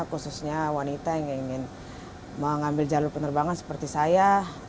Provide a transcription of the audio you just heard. khususnya wanita yang ingin mengambil jalur penerbangan seperti saya